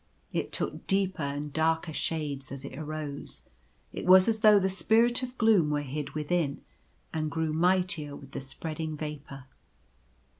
It took deeper and darker shades as it arose. It was as though the Spirit of Gloom were hid within, and grew mightier with the spreading vapour.